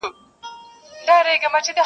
را حاضر یې کړل سویان وه که پسونه-